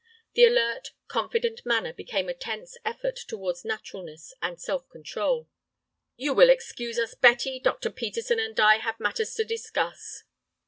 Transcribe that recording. The alert, confident manner became a tense effort towards naturalness and self control. "You will excuse us, Betty. Dr. Peterson and I have matters to discuss."